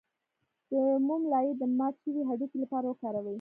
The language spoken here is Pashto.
د موم لایی د مات شوي هډوکي لپاره وکاروئ